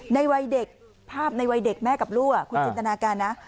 ในวัยเด็กภาพในวัยเด็กแม่กับลูกคุณจินตนาการนะ